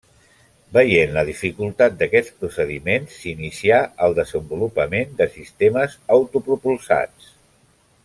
Veient la dificultat d'aquests procediments s'inicià el desenvolupament de sistemes autopropulsats.